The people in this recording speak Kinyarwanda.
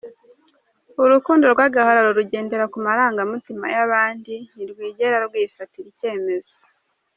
Urukundo rw’agahararo rugendera ku marangamutima y’abandi ntirwigera rwifatira icyemezo.